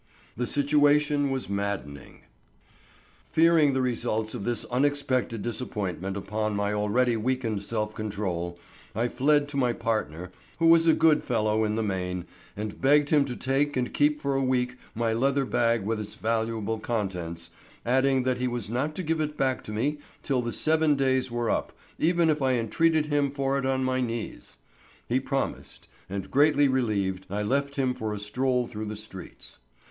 The situation was maddening. Fearing the results of this unexpected disappointment upon my already weakened self control, I fled to my partner, who was a good fellow in the main, and begged him to take and keep for a week my leather bag with its valuable contents, adding that he was not to give it back to me till the seven days were up, even if I entreated him for it on my knees. He promised, and greatly relieved I left him for a stroll through the streets.